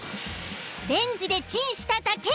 レンジでチンしただけ！